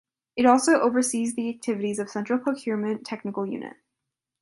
It also oversees the activities of Central Procurement Technical Unit.